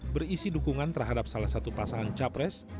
berisi dukungan terhadap salah satu pasangan capres